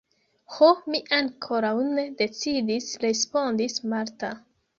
Ho, mi ankoraŭ ne decidis – respondis Marta.